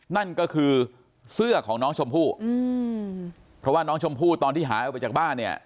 นั่นก็คือเสื้อของน้องชมพู่อืมเพราะว่าน้องชมพู่ตอนที่หายออกไปจากบ้านเนี่ย